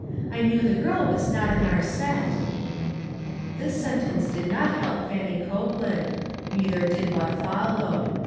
I knew the girl was not in our set." This sentence did not help Fannie Cope hind ; neither did what followed.